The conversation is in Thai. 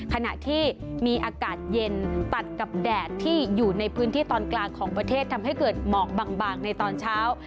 ขณะที่มีอากาศเย็นตัดกับแดดที่อยู่ในพื้นที่ตอนกลางของประเทศทำให้เกิดหมอกบางในตอนเช้า